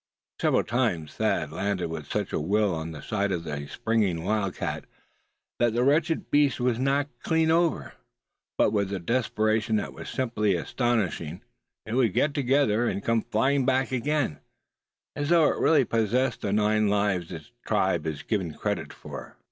Several times Thad landed with such a will on the side of the springing wildcat that the wretched beast was knocked clean over. But with a desperation that was simply astonishing it would get together, and come flying back again, as though it really possessed the nine lives its tribe is given credit for.